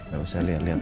gak usah liat liat